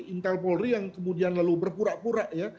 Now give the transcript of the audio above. intel polri yang kemudian lalu berpura pura ya